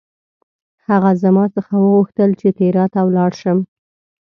هغه زما څخه وغوښتل چې تیراه ته ولاړ شم.